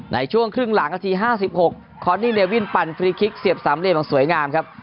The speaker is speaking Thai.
ในช่วงครึ่งหลังนาที๕๖คอนนี่เลวินปั่นฟรีคลิกเสียบสามเหลี่ยมอย่างสวยงามครับ